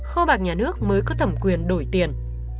kho bạc nhà nước mới có thẩm quyền đổi tiền